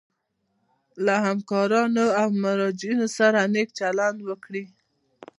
له همکارانو او مراجعینو سره نیک چلند وکړي.